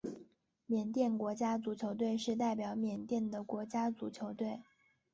缅甸国家足球队是代表缅甸的国家足球队。